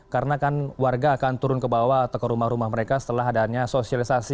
karena kan warga akan turun ke bawah atau ke rumah rumah mereka setelah adanya sosialisasi